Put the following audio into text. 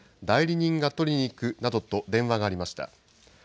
代理人が取りに行くなどと電話がありました。